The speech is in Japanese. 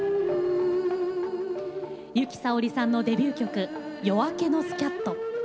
由紀さおりさんのデビュー曲「夜明けのスキャット」。